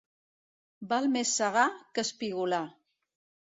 Val més segar que espigolar.